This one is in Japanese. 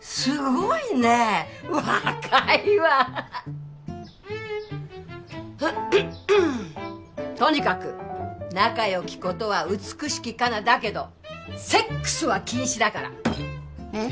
すごいね若いわとにかく仲良きことは美しきかなだけどセックスは禁止だからえっ？